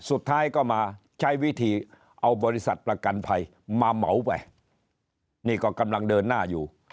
สุดท้ายก็มาใช้วิธีเอาบริษัทประกันภัยมาเหมาไปนี่ก็กำลังเดินหน้าอยู่